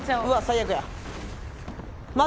最悪や。